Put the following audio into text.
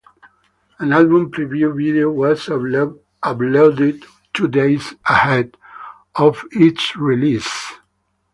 An album preview video was uploaded two days ahead of its release.